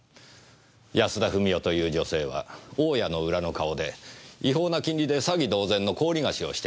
安田富美代という女性は大家の裏の顔で違法な金利で詐欺同然の高利貸しをしていました。